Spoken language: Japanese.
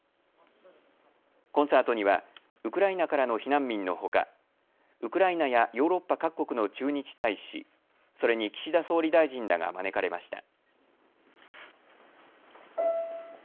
コンサートにはウクライナからの避難民のほかウクライナやヨーロッパ各国の駐日大使、それに岸田総理大臣らが招かれました。